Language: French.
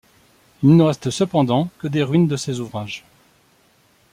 Il ne reste cependant que des ruines de ces ouvrages.